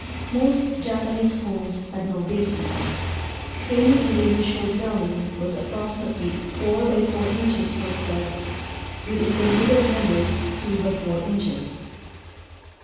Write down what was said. Most Japanese homes had no basement. Framing in the usual dwelling was approximately four by four inches for studs, with intermediate members two by four inches.